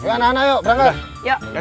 anak anak yuk berangkat